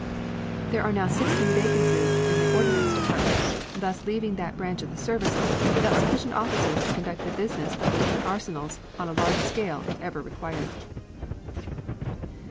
There are now sixteen vacancies in the Ordnance Department, thus leaving that branch of the service without sufficient officers to conduct the business of the different arsenals on a large scale if ever required.